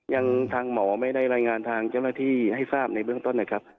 ทางหมอไม่ได้รายงานทางเจ้าหน้าที่ให้ทราบในเบื้องต้นนะครับ